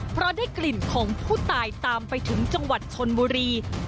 เพราะได้กลิ่นของผู้ตายตามไปถึงจังหวัดชนบุรี